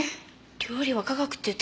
料理は科学って言ってたのに。